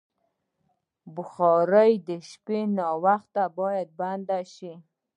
بخاري د شپې ناوخته باید بنده شي.